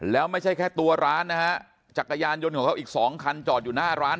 แล้วไม่ใช่แค่ตัวร้านนะฮะจักรยานยนต์ของเขาอีกสองคันจอดอยู่หน้าร้าน